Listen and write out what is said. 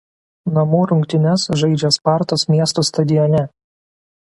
Namų rungtynes žaidžia Spartos miesto stadione.